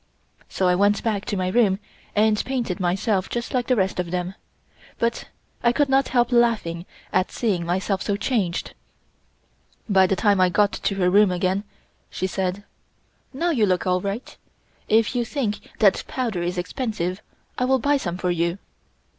So I went back to my room and painted myself just like the rest of them, but I could not help laughing at seeing myself so changed. By the time I got to her room again, she said: "Now you look all right. If you think that powder is expensive, I will buy some for you."